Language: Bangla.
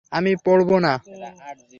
আমি পরব না।